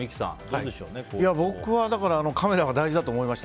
僕はカメラが大事だと思いました。